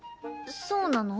そうなの？